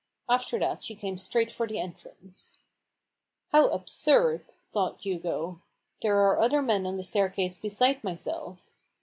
After that she came straight for the entrance. " How absurd !" thought Hugo. " There are other men on the staircase besides myself."